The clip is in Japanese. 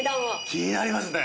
気になりますね。